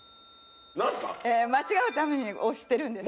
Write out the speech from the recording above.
間違うたびに押してるんです。